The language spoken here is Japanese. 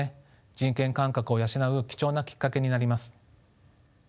人権感覚を養う貴重なきっかけになります。